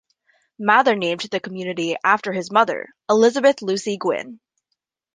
Mather named the community after his mother Elizabeth Lucy Gwinn.